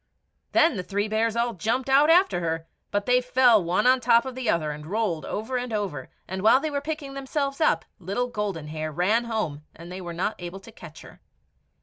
Then the three bears all jumped out after her, but they fell one on the top of the other and rolled over and over, and while they were picking themselves up, little Golden Hair ran home, and they were not able to catch her.